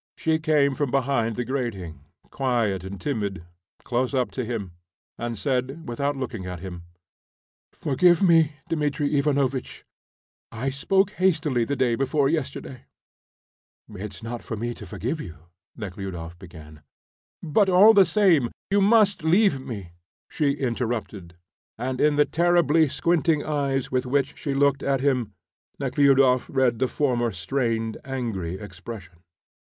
She came from behind the grating, quiet and timid, close up to him, and said, without looking at him: "Forgive me, Dmitri Ivanovitch, I spoke hastily the day before yesterday." "It is not for me to forgive you," Nekhludoff began. "But all the same, you must leave me," she interrupted, and in the terribly squinting eyes with which she looked at him Nekhludoff read the former strained, angry expression.